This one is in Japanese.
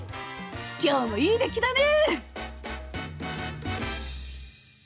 今日もいい出来だね！